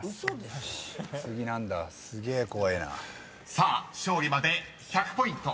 ［さあ勝利まで１００ポイント。